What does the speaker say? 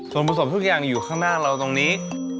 ส่วนผสมทุกอย่างอยู่ข้างหน้าเราตรงนี้